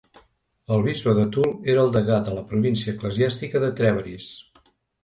El bisbe de Toul era el degà de la província eclesiàstica de Trèveris.